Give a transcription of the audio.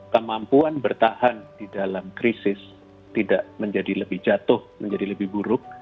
kemampuan bertahan di dalam krisis tidak menjadi lebih jatuh menjadi lebih buruk